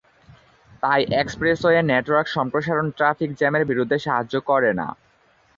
তাই, expressway network সম্প্রসারণ traffic জ্যামের বিরুদ্ধে সাহায্য করে না।